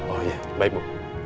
oh ya baik bu